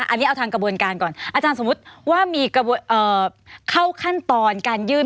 อันนี้เอาทางกระบวนการก่อนอาจารย์สมมุติว่ามีเข้าขั้นตอนการยื่น